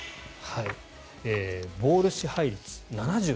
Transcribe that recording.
ボール支配率、７４％。